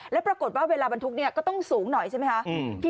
แล้วปรากฏว่าเวลาบรรทุกเนี่ยก็ต้องสูงหน่อยใช่ไหมคะ